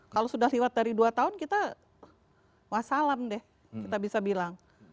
kalau sudah lewat dari dua tahun kita wassalam deh kita bisa bilang